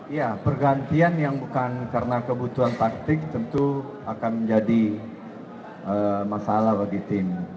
ya pergantian yang bukan karena kebutuhan taktik tentu akan menjadi masalah bagi tim